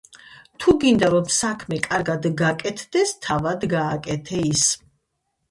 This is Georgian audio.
თუ გინდა, რომ საქმე კარგად გაკეთდეს, თავად გააკეთე ის.